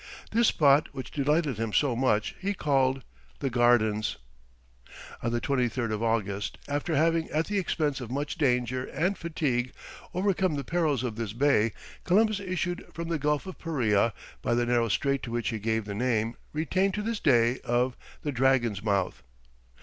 This spot which delighted him so much, he called "the Gardens." On the 23rd of August, after having at the expense of much danger and fatigue, overcome the perils of this bay, Columbus issued from the Gulf of Paria by the narrow strait to which he gave the name, retained to this day, of the Dragon's Mouth.